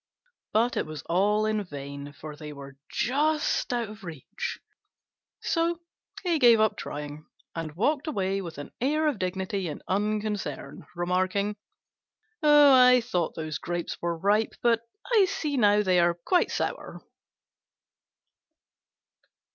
But it was all in vain, for they were just out of reach: so he gave up trying, and walked away with an air of dignity and unconcern, remarking, "I thought those Grapes were ripe, but I see now they are quite sour."